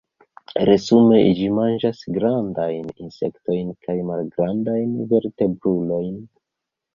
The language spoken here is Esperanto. Resume ĝi manĝas grandajn insektojn kaj malgrandajn vertebrulojn.